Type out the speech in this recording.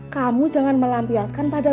kamu jangan melampiaskan pada